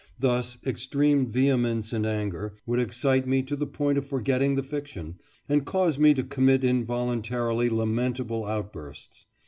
Thus, extreme vehemence in anger would excite me to the point of forgetting the fiction, and cause me to commit involuntarily lamentable outbursts.